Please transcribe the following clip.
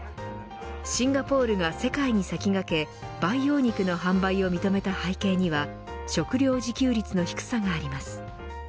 シンガポールが世界に先駆け培養肉の販売を認めた背景には食料自給率の低さがあります。